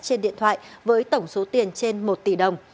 trên điện thoại với tổng số tiền trên một tỷ đồng